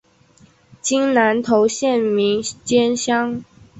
今南投县名间乡。